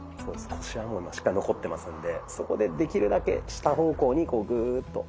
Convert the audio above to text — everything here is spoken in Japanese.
腰はしっかり残ってますんでそこでできるだけ下方向にこうグーッと。